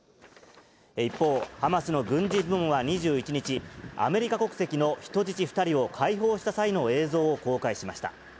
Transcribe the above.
一方、ハマスの軍事部門は２１日、アメリカ国籍の人質２人を解放した際の映像を公開しました。